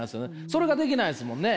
それができないんですもんね？